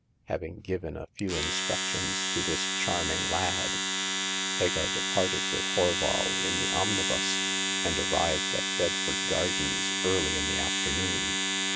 Having given a few instructions to this charm ing lad, Hagar departed with Horval in the omnibus, and arrived at Bedford Gardens early in the afternoon.